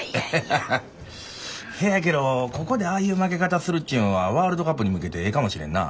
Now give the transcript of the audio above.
せやけどここでああいう負け方するっちゅうんはワールドカップに向けてええかもしれんな。